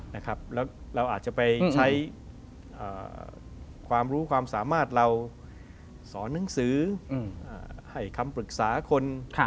แล้วเราอาจจะไปใช้ความรู้ความสามารถเราสอนหนังสือให้คำปรึกษาคน